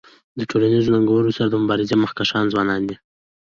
د ټولنیزو ننګونو سره د مبارزی مخکښان ځوانان دي.